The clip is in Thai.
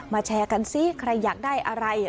แชร์กันซิใครอยากได้อะไร